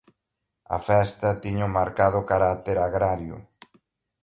A festa tiña un marcado carácter agrario.